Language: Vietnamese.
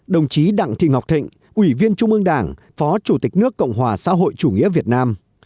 đồng chí đặng thị ngọc thịnh ủy viên trung ương đảng phó chủ tịch nước cộng hòa xã hội chủ nghĩa việt nam